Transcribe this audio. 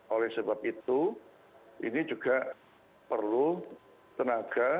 oleh sebab itu ini juga perlu tenaga